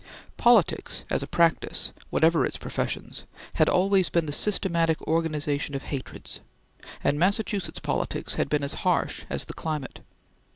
Politics, as a practice, whatever its professions, had always been the systematic organization of hatreds, and Massachusetts politics had been as harsh as the climate.